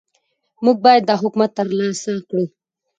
موږ باید دا حکمت ترلاسه کړو.